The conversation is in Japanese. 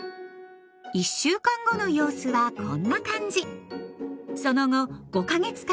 １週間後の様子はこんな感じ。